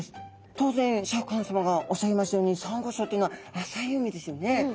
当然シャーク香音さまがおっしゃいましたようにサンゴ礁というのは浅い海ですよね。